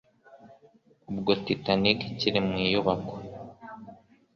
ubwo Titanic ikiri mu iyubakwa